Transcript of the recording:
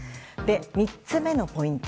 ３つ目のポイント